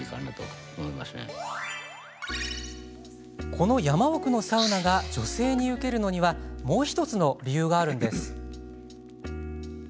この山奥のサウナが女性にウケるのにはもう１つの理由があるんです。